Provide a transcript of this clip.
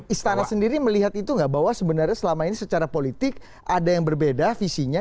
istana sendiri melihat itu nggak bahwa sebenarnya selama ini secara politik ada yang berbeda visinya